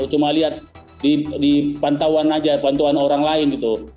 cuma lihat di pantauan saja pantauan orang lain